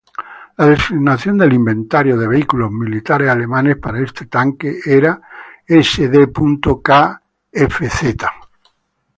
La designación del inventario de vehículos militares alemanes para este tanque era Sd.Kfz.